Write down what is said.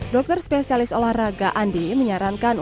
dokter spesialis olahraga andi menyiarkan kemampuan